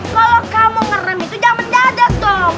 kalau kamu ngerem itu jangan menjadat tom